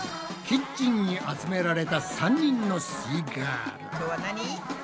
キッチンに集められた３人のすイガール。